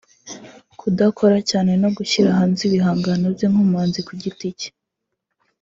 Kudakora cyane no gushyira hanze ibihangano bye nk’umuhanzi ku giti cye